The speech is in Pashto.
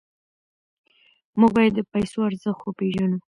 موږ باید د پیسو ارزښت وپېژنو.